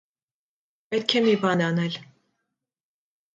Պետք է մի բան անել…